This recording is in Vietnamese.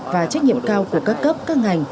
và trách nhiệm cao của các cấp các ngành